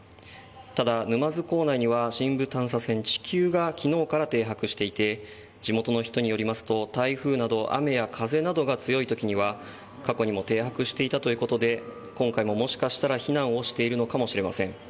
ただ、沼津港内には深部探査船「ちきゅう」が昨日から停泊していて地元の人によりますと台風など雨や風などが強い時には過去にも停泊していたということで今回も、もしかしたら避難をしているのかもしれません。